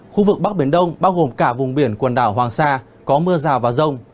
khu vực bắc biển đông bao gồm cả vùng biển quần đảo hoàng sa có mưa rào và rông